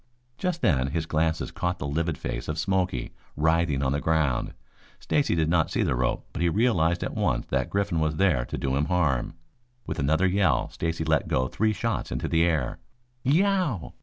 Just then his glances caught the livid face of Smoky writhing on the ground. Stacy did not see the rope, but he realized at once that Griffin was there to do him harm. With another yell Stacy let go three shots into the air. "Yeow!"